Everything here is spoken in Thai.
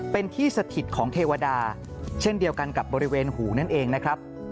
เป็นที่สถิตของเทวดาเช่นเดียวกันกับบริเวณหูนั่นเองนะครับ